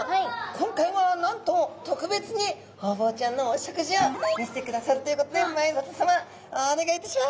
今回はなんと特別にホウボウちゃんのお食事を見せてくださるということで前里さまお願いいたします。